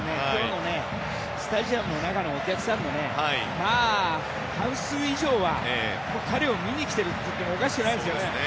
スタジアムの中のお客さんの半数以上は彼を見に来てるといってもおかしくないですよね。